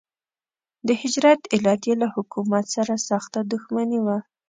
د هجرت علت یې له حکومت سره سخته دښمني وه.